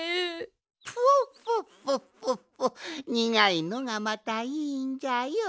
フォッフォッフォッフォッフォッにがいのがまたいいんじゃよ。